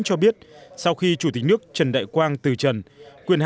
cho biết sau khi chủ tịch nước trần đại quang